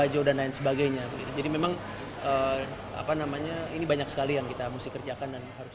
jadi memang ini banyak sekali yang kita harus kerjakan dan harus menerima